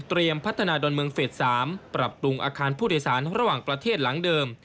พัฒนาดอนเมืองเฟส๓ปรับปรุงอาคารผู้โดยสารระหว่างประเทศหลังเดิม